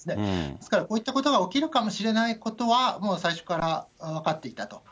ですから、こういったことが起きるかもしれないことはもう最初から分かっていたと。